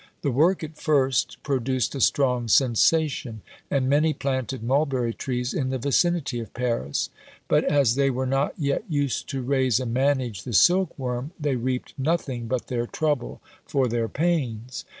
The work at first produced a strong sensation, and many planted mulberry trees in the vicinity of Paris; but as they were not yet used to raise and manage the silk worm, they reaped nothing but their trouble for their pains.